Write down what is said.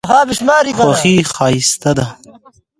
خوښي ښایسته ده.